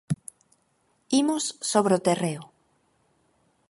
Imos sobre o terreo.